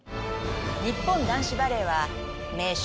日本男子バレーは名将